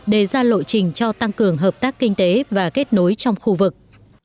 đề ra lộ trình cho tăng cường hợp tác kinh tế và kết nối trong khu vực